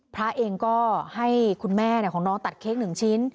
พระเองก็ให้คุณแม่ของน้องตัดเค้ก๑ชิ้น